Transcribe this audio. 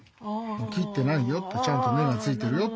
切ってないよってちゃんと根がついてるよって。